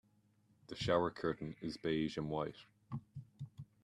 The shower curtain is beige and white.